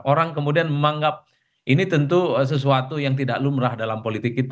orang kemudian menganggap ini tentu sesuatu yang tidak lumrah dalam politik kita